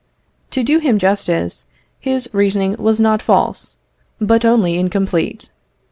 To do him justice, his reasoning was not false, but only incomplete.